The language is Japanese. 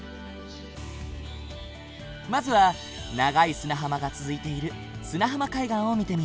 まずは長い砂浜が続いている砂浜海岸を見てみよう。